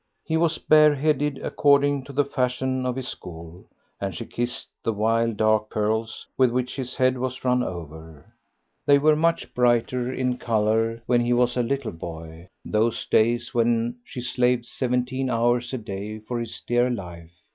He was bare headed, according to the fashion of his school, and she kissed the wild, dark curls with which his head was run over; they were much brighter in colour when he was a little boy those days when she slaved seventeen hours a day for his dear life!